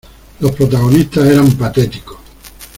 Los protagonistas eran patéticos.